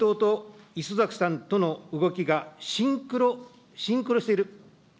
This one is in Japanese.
自民党と礒崎さんとの動きがシンクロしている。